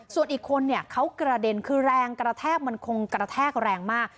ส่วนอีกคนเนี่ยเขากระเด็นคือแรงกระแทกมันคงกระแทกแรงมาก